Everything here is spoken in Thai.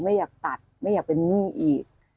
ไม่อยากตัดไม่อยากเป็นหนี้อีก